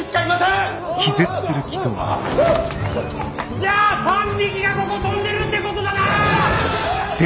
じゃあ３匹がここ飛んでるってことだな！？